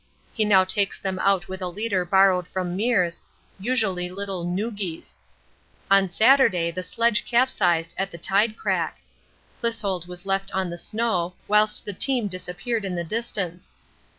He now takes them out with a leader borrowed from Meares, usually little 'Noogis.' On Saturday the sledge capsized at the tide crack; Clissold was left on the snow whilst the team disappeared in the distance.